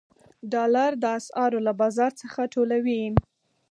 ډالر د اسعارو له بازار څخه ټولوي.